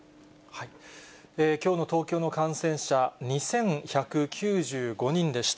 きょうの東京の感染者、２１９５人でした。